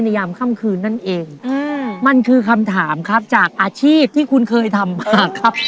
ยามค่ำคืนนั่นเองมันคือคำถามครับจากอาชีพที่คุณเคยทำมาครับ